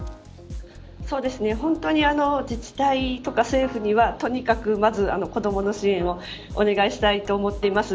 本当に自治体とか政府にはとにかく、まず、子どもの支援をお願いしたいと思っています。